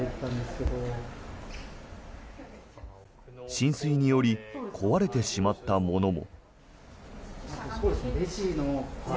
浸水により壊れてしまったものも。